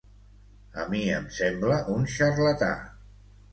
A mi em sembla un xarlatà.